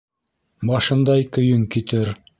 Башындай көйөң китер.